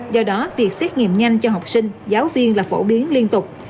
do đó việc xét nghiệm nhanh cho học sinh giáo viên là phổ biến liên tục